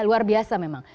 luar biasa memang